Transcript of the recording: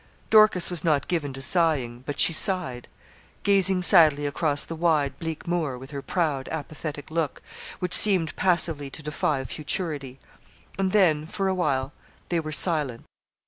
Dorcas was not given to sighing but she sighed gazing sadly across the wide, bleak moor, with her proud, apathetic look, which seemed passively to defy futurity and then, for awhile, they were silent.